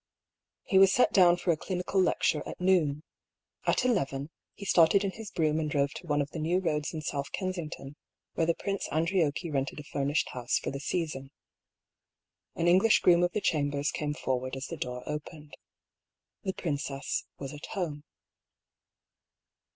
He was set down for a clinical lecture at noon. At eleven he started in his brougham and drove to one of the new roads in South Kensington where the Prince Andriocchi rented a furnished house for the season. An English groom of the chambers came forward as the door opened. The princess was at home.